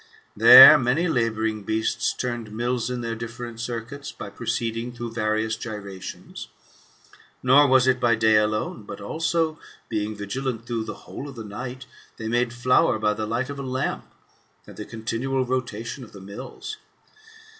There many labouring beasts turned mills in their different circuits, by proceeding through various gyrations. Nor was it by day alone, but also, being vigilant through the whole of the night, they made flour by the light of a lamp, and the continual rotation of the mills.